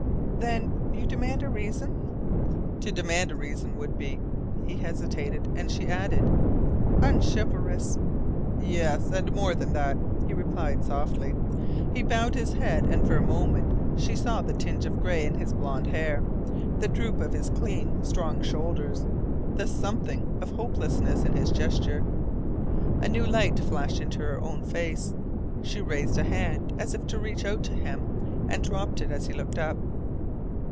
"Then you demand a reason?" "To demand a reason would be " He hesitated, and she added: "Unchivalrous." "Yes more than that," he replied softly. He bowed his head, and for a moment she saw the tinge of gray in his blond hair, the droop of his clean, strong shoulders, the SOMETHING of hopelessness in his gesture. A new light flashed into her own face. She raised a hand, as if to reach out to him, and dropped it as he looked up.